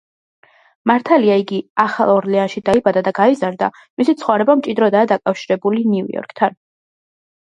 მართალია, იგი ახალ ორლეანში დაიბადა და გაიზარდა, მისი ცხოვრება მჭიდროდაა დაკავშირებული ნიუ-იორკთან.